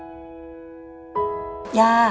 แล้วมีหลานมาดูแลอย่างเงี้ยย่ารู้สึกยังไง